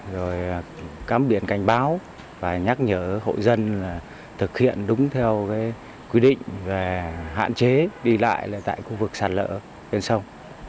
đồ đạc cắm biển cảnh báo và nhắc nhở hộ dân thực hiện đúng theo quy định về hạn chế đi lại tại khu vực sạt lở bên sông